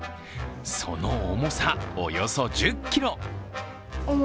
その重さ、およそ１０ｋｇ。